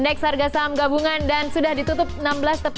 indeks harga saham gabungan dan sudah ditutup enam belas tetap